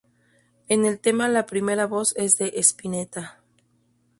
En el tema la primera voz es de Spinetta.